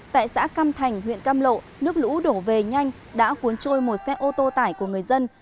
tại xã cam thành huyện cam lộ nước lũ đổ về nhanh đã cuốn trôi một xe ô tô tải của người dân